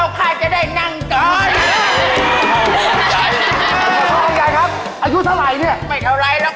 อุ๊ยตายจูดบุหลี